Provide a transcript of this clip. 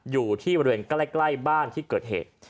อยู่ที่บริเวณใกล้บ้านที่เกิดเหตุ